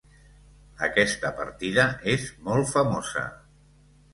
Aquesta partida és molt famosa.